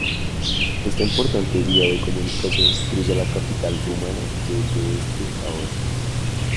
Esta importante vía de comunicación cruza la capital rumana de este a oeste.